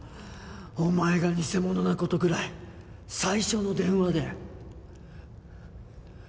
お前が偽者な事ぐらい最初の電話で。